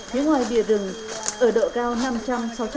nếu ngoài đỉa rừng ở độ cao năm trăm linh sáu trăm linh mét